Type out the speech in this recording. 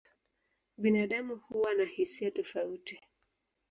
Binadamu huwa na hisia tofauti.